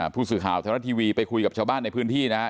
ผู้สื่อข่าวไทยรัฐทีวีไปคุยกับชาวบ้านในพื้นที่นะครับ